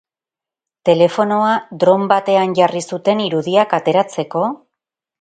Telefonoa dron batean jarri zuten irudiak ateratzeko?